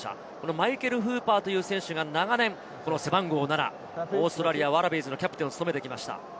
マイケル・フーパーという選手が長年、背番号７、オーストラリア、ワラビーズのキャプテンを務めてきました。